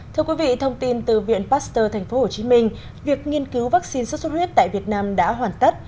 thưa quý vị thông tin từ viện pasteur tp hcm việc nghiên cứu vaccine xuất xuất huyết tại việt nam đã hoàn tất